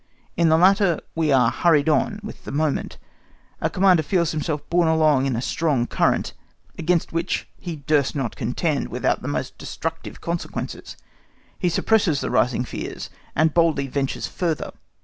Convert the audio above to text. In the latter we are hurried on with the moment; a Commander feels himself borne along in a strong current, against which he durst not contend without the most destructive consequences, he suppresses the rising fears, and boldly ventures further.